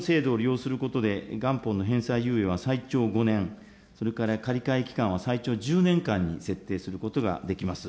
本制度を利用することで、元本の返済猶予は最長５年、それから借り換え期間は最長１０年間に設定することができます。